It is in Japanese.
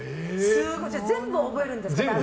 全部を覚えるんですか？